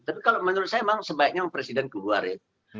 tapi kalau menurut saya memang sebaiknya presiden keluar ya